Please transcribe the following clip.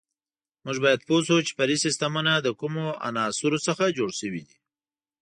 موږ باید پوه شو چې فرعي سیسټمونه له کومو عناصرو څخه جوړ شوي دي.